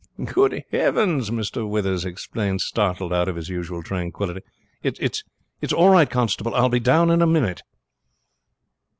"Good heavens!" Mr. Withers exclaimed, startled out of his usual tranquillity. "It is all right, constable, I will be down in a minute."